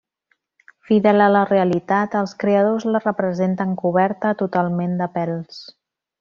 Fidel a la realitat, els creadors la representen coberta totalment de pèls.